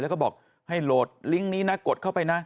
แล้วก็บอกให้โหลดลิงก์นี้นะกดเข้าไปนะ